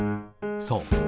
そう。